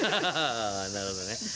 なるほどね。